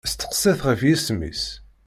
Steqsi-t ɣef yisem-is.